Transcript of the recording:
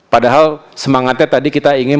padahal semangatnya tadi kita ingin